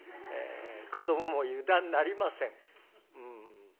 子どもも油断なりません。